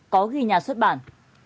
có ghi nhà xuất bản